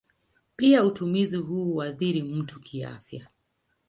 Pia utumizi huu huathiri mtu kiafya.